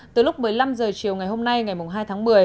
từ lúc một mươi năm h chiều ngày hôm nay ngày hai tháng một mươi